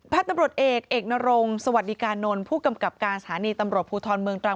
ตำรวจเอกเอกนรงสวัสดิกานนท์ผู้กำกับการสถานีตำรวจภูทรเมืองตรัง